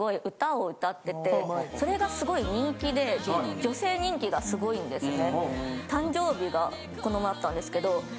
それがすごい人気で女性人気がすごいんですね。